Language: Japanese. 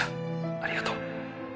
ありがとう